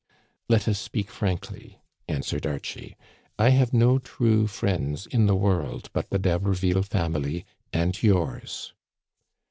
" Let us speak frankly," answered Archie. " I have no true friends in the world but the D'Haberville family and yours."